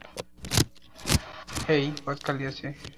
হেই, পথ খালি আছে?